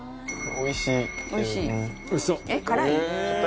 おいしい！